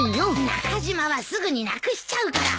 中島はすぐになくしちゃうから。